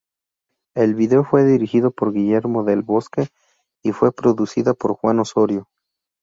El video fue dirigido por Guillermo Del Bosque y fue producida por Juan Osorio.